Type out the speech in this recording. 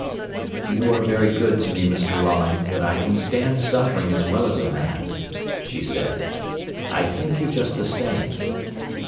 "You are very good to me, Mr. Rolling, but I can stand suffering as well as a man," she said. "I thank you just the same."